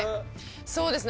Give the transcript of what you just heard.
そうですね